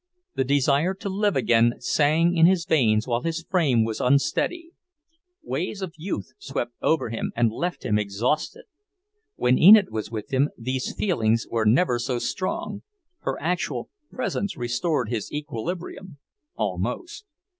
The desire to live again sang in his veins while his frame was unsteady. Waves of youth swept over him and left him exhausted. When Enid was with him these feelings were never so strong; her actual presence restored his equilibrium almost.